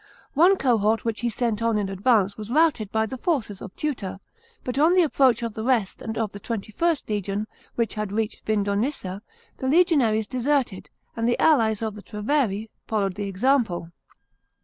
One cohort which he sent on in advance was routed by the lorces of Tutor, but on the approach of the rest and of the XXIst legion, which had reached Vindonissa, the legionaries deserted, and the allies of the Treveri followed the example.